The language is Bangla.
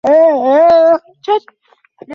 এটা বেশি দিনের ঘটনা নয়।